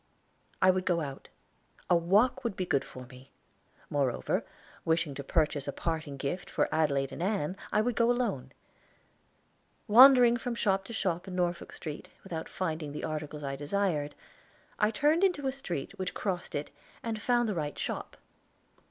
I would go out; a walk would be good for me. Moreover, wishing to purchase a parting gift for Adelaide and Ann, I would go alone. Wandering from shop to shop in Norfolk Street, without finding the articles I desired, I turned into a street which crossed it, and found the right shop.